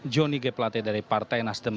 joni g pelate dari partai nasdem